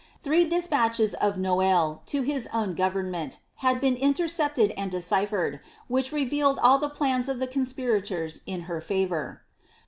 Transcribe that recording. Three despatches of P^oailles to his own government had been intercepted and decipliered, which revealed all the plans of the conspirators in her favour.